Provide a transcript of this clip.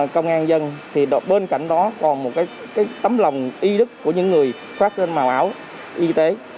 công an dân thì bên cạnh đó còn một cái tấm lòng y đức của những người khoác lên màu áo y tế